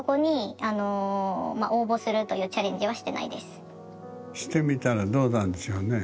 そこにしてみたらどうなんでしょうね。